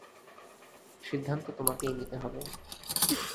সিদ্ধান্ত তোমাকেই নিতে হবে।